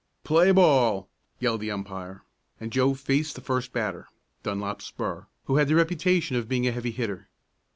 "Play ball!" yelled the umpire, and Joe faced the first batter, Dunlap Spurr, who had the reputation of being a heavy hitter.